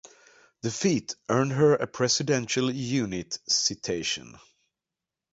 The feat earned her a Presidential Unit Citation.